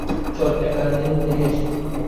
চল এক দিন দেখে আসি।